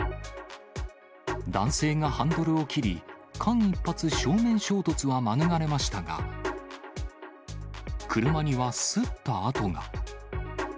男性がハンドルを切り、間一髪、正面衝突は免れましたが、車にはすった跡が。